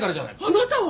あなたは？